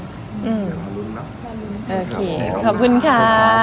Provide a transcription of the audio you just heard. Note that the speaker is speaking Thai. โอเคขอบคุณค่ะ